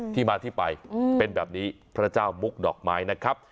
ที่มาที่ไปเป็นแบบนี้พระเจ้ามุกดอกไม้นะครับ